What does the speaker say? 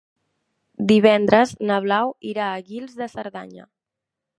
Divendres na Blau irà a Guils de Cerdanya.